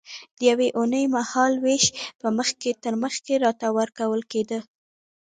د یوې اوونۍ مهال وېش به مخکې تر مخکې راته ورکول کېده.